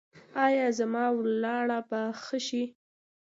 ایا زما ولاړه به ښه شي؟